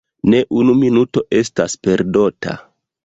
Ne unu minuto estas perdota.